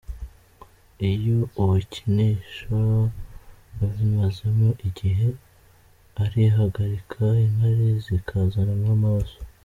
Iyo uwikinisha abimazemo igihe , arihagarika, inkari zikazana n’amaraso.